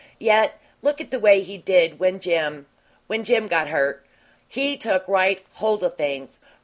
Yet, look at the way he did when Jim when Jim got hurt. He took right hold o' things.